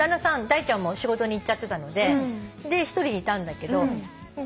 ダイちゃんも仕事に行っちゃってたので１人でいたんだけど。